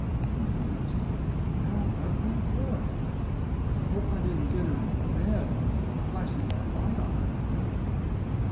he mused; "how about that girl? Hope I didn't get her in bad by flashing that light on her hand.